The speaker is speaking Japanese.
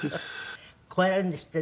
こうやるんですってね